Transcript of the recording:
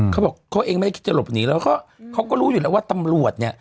เขาบอกเขาเองไม่ได้คิดจะหลบหนีแล้วก็เขาก็รู้อยู่แล้วว่าตำรวจเนี่ย